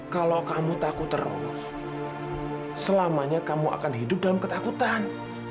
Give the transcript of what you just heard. kalau kamu takut terus selamanya kamu akan hidup dalam ketakutan